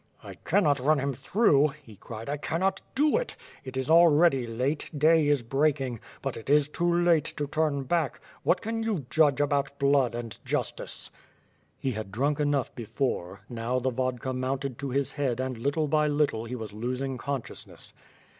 "I cannot run him through," he cried. "I cannot do it! It is already late — day is breaking, but it is too late to turn back — what can you judge about blood and justice?" WITH nRE AKD SWORD. 151 He had drunk enough before; now the vodka mounted to his head and little by little he was losing consciousness.